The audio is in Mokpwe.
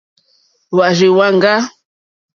Hwá rzì hwáŋɡá.